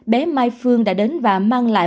bé mai phương đã đến và mang lại